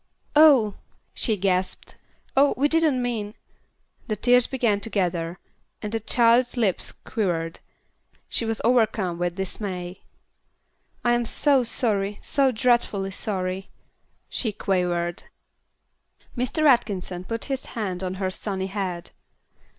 "Oh!" she gasped. "Oh! we didn't mean " The tears began to gather, and the child's lips quivered. She was overcome with dismay. "I am so sorry, so dreadfully sorry," she quavered. Mr. Atkinson put his hand on her sunny head.